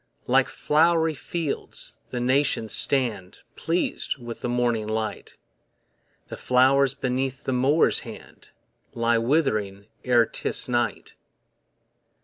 Like flow'ry fields the nations stand Pleas'd with the morning light; The flowers beneath the Mower's hand Lie withering e'er 'tis night.